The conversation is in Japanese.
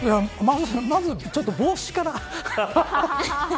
まずちょっと、帽子から。